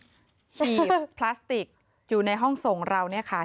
หีบพลาสติกอยู่ในห้องส่งเราเนี่ยค่ะ